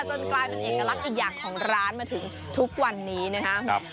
จนกลายเป็นเอกลักษณ์อีกอย่างของร้านมาถึงทุกวันนี้นะครับ